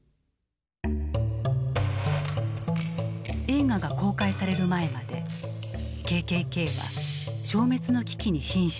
映画が公開される前までＫＫＫは消滅の危機に瀕していた。